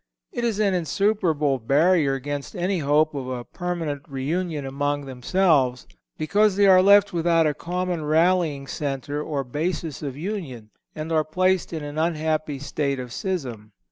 It is an insuperable barrier against any hope of a permanent reunion among themselves, because they are left without a common rallying centre or basis of union and are placed in an unhappy state of schism.